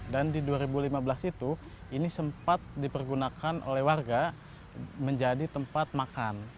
dan di dua ribu lima belas itu ini sempat dipergunakan oleh warga menjadi tempat makan